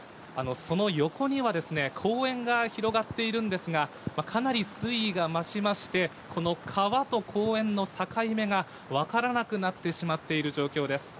その横にはですね、公園が広がっているんですが、かなり水位が増しまして、この川と公園の境目が分からなくなってしまっている状況です。